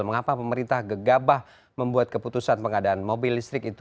mengapa pemerintah gegabah membuat keputusan pengadaan mobil listrik itu